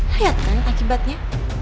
lihat kan akibatnya